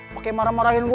pake marah marahin gue